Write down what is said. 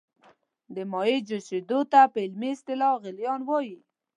د مایع جوشیدو ته په علمي اصطلاح کې غلیان وايي.